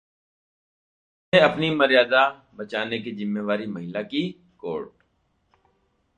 relationship में अपनी मर्यादा बचाने की जिम्मेदारी महिला की: कोर्ट